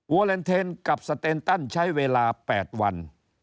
เลนเทนกับสเตนตันใช้เวลา๘วัน